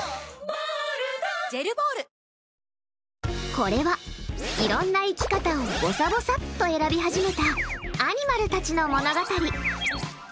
これはいろんな生き方をぼさぼさっと選び始めたアニマルたちの物語。